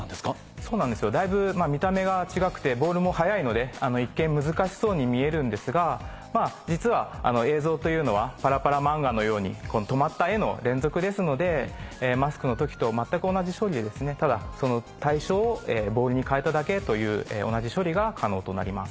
そうなんですよだいぶ見た目が違くてボールも速いので一見難しそうに見えるんですが実は映像というのはパラパラ漫画のように止まった画の連続ですのでマスクの時と全く同じ処理でただその対象をボールに替えただけという同じ処理が可能となります。